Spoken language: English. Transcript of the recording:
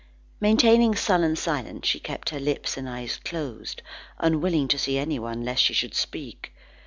Maintaining sullen silence, she kept her lips and eyes closed, unwilling to see anyone lest she should speak.